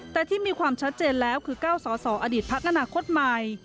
แต่ที่มีความชัดเจนแล้วคือ๙สอสออดีตพักอนาคตใหม่